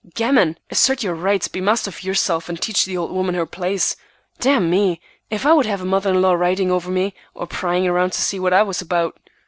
"Gammon! Assert your rights, be master of yourself, and teach the old woman her place. D—— me, if I would have a mother in law riding over me, or prying around to see what I was about!"